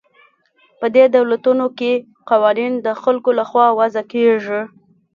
په دې دولتونو کې قوانین د خلکو له خوا وضع کیږي.